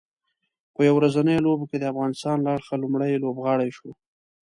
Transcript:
په یو ورځنیو لوبو کې د افغانستان له اړخه لومړی لوبغاړی شو